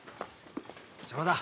邪魔だ。